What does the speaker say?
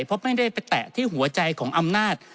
เพราะไม่ได้ไปแตะที่หัวใจของอำนาจ